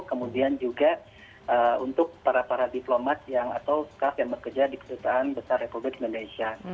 kemudian juga untuk para para diplomat yang atau staff yang bekerja di perusahaan besar republik indonesia